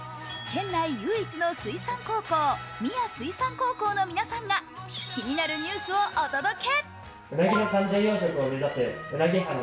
県内唯一の水産高校、三谷水産高校の皆さんが気になるニュースをお届け。